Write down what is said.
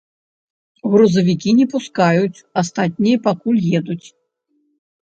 Грузавікі не пускаюць, астатнія пакуль едуць.